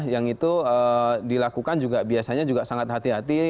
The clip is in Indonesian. yang itu dilakukan juga biasanya juga sangat hati hati